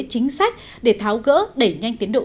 chính sách để tháo gỡ đẩy nhanh tiến độ